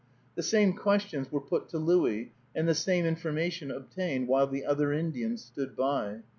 The same questions were put to Louis, and the same information obtained, while the other Indian stood by.